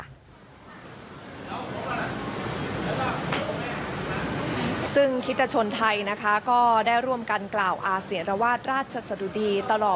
ซึ่งคริสตชนไทยนะคะก็ได้ร่วมกันกล่าวอาเสียรวาสราชสะดุดีตลอด